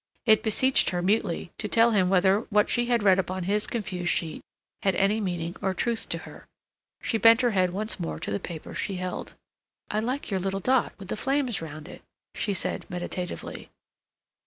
It beseeched her mutely to tell him whether what she had read upon his confused sheet had any meaning or truth to her. She bent her head once more to the papers she held. "I like your little dot with the flames round it," she said meditatively.